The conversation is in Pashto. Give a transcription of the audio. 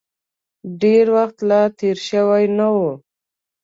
ډېر وخت لا تېر شوی نه و.